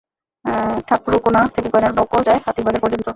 ঠাকরোকোণা থেকে গয়নার নৌক যায় হাতির বাজার পর্যন্ত।